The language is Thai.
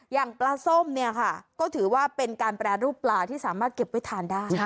อย่างปลาส้มเนี่ยค่ะก็ถือว่าเป็นการแปรรูปปลาที่สามารถเก็บไว้ทานได้